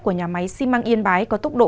của nhà máy xi măng yên bái có tốc độ